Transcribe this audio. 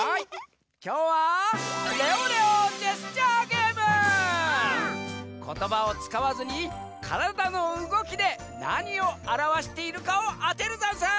きょうはことばをつかわずにからだのうごきでなにをあらわしているかをあてるざんす！